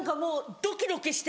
ドキドキして。